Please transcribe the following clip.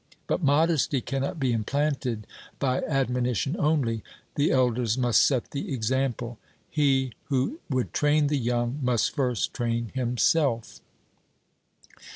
But modesty cannot be implanted by admonition only the elders must set the example. He who would train the young must first train himself.